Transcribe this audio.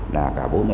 là cả bố mẹ nữa